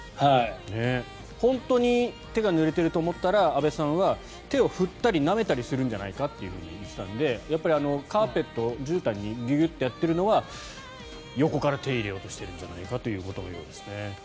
本当に手がぬれていると思ったら阿部さんは手を振ったりなめたりするんじゃないかと言っていたのでやっぱりカーペット、じゅうたんにギュギュっとやってるのは横から手を入れようとしているんじゃないかということのようですね。